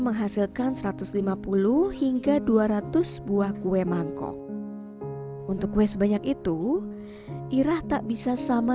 menghasilkan satu ratus lima puluh hingga dua ratus buah kue mangkok untuk kue sebanyak itu irah tak bisa sama